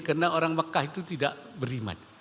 karena orang mekah itu tidak beriman